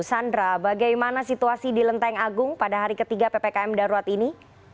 sandra bagaimana situasi di lenteng agung pada hari ketiga ppkm darurat ini